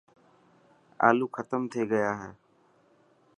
آلو ختم ٿي گيا هي.